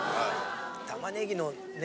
玉ねぎのね？